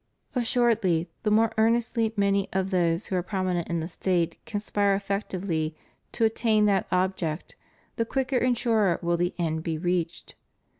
Assuredly the more earnestly many of those who are prominent in the State conspire effectively to attain that object the quicker and surer will the end be reached.